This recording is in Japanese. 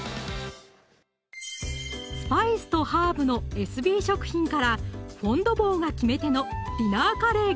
スパイスとハーブのエスビー食品からフォン・ド・ボーが決め手の「ディナーカレー」